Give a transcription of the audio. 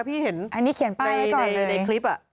พี่เห็นในคลิป